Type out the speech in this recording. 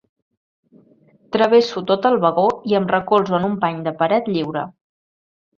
Travesso tot el vagó i em recolzo en un pany de paret lliure.